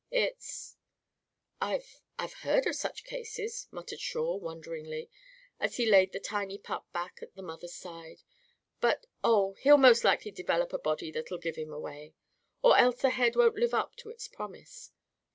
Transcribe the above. It's " "I've I've heard of such cases," muttered Shawe wonderingly, as he laid the tiny pup back at the mother's side. "But oh, he'll most likely develop a body that'll give him away! Or else the head won't live up to its promise.